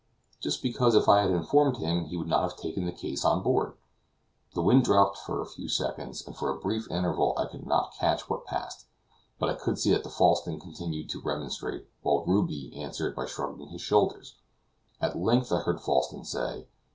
"Just because if I had informed him, he would not have taken the case on board." The wind dropped for a few seconds; and for a brief interval I could not catch what passed; but I could see that Falsten continued to remonstrate, while Ruby answered by shrugging his shoulders. At length I heard Falsten say.